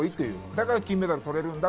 だから金メダルを取れるんだ。